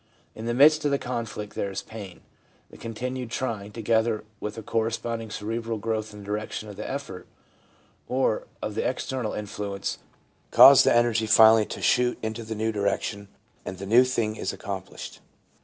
In the midst of the conflict there is pain. The continued trying, together with a corresponding cerebral growth in the direction of the effort, or of the external influence, cause the energy finally to shoot into the new direction, and the new thing is accom plished.